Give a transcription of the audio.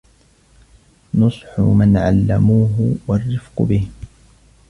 نُصْحُ مَنْ عَلَّمُوهُ وَالرِّفْقُ بِهِمْ